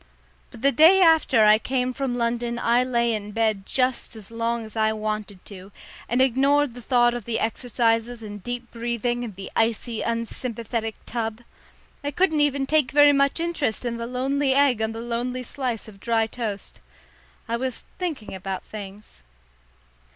But the day after I came from London I lay in bed just as long as I wanted to, and ignored the thought of the exercises and deep breathing and the icy unsympathetic tub. I couldn't even take very much interest in the lonely egg on the lonely slice of dry toast. I was thinking about things.